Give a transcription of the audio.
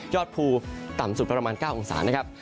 ภูมิต่ำสุดประมาณ๙องศานะครับ